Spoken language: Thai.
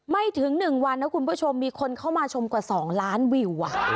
ไม่ถึง๑วันนะคุณผู้ชมมีคนเข้ามาชมกว่า๒ล้านวิว